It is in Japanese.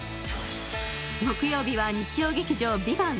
木曜日は日曜劇場「ＶＩＶＡＮＴ」